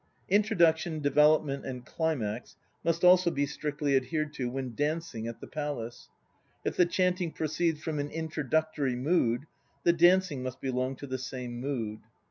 Introduction, Development and Climax must also be strictly adhered to when dancing at the Palace. If the chanting proceeds from an "introductory mood," the dancing must belong to the same mood. ...